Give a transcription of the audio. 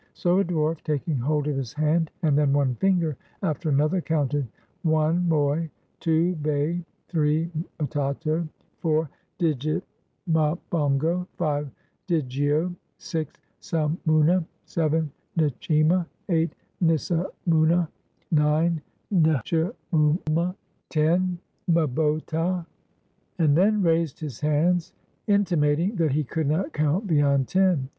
So a dwarf, taking hold of his hand, and then one finger after another, counted, one, mot; two, bet; three, metato; four, djimabongo; five, djio; six, sa mouna; seven, nchima; eight, misamouno; nine, nchouma; 418 THE VILLAGE OF DWARFS ten, mhd ta; and then raised his hands, intimating that he could not count beyond ten.